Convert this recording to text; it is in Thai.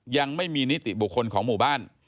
ยังไม่มีนิติบุคคลของหมู่บ้าน